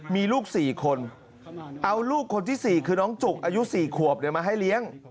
มีลูก๔คนเอาลูกคนที่๔คือน้องจุกอายุ๔ขวบมาให้เลี้ยง